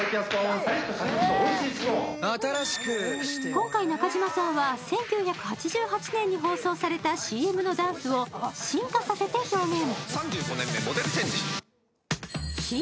今回、中島さんは１９８８年に放送されたＣＭのダンスを進化させて表現。